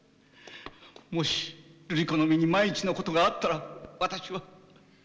もしルリ子の身に万一のことがあったら私は。